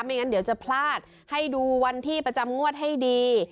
งั้นเดี๋ยวจะพลาดให้ดูวันที่ประจำงวดให้ดี